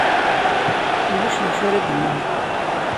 Ulac d acu ara d-nini.